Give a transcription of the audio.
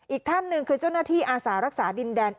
อีกท่านหนึ่งคือเจ้าหน้าที่อาสารักษาดินแดน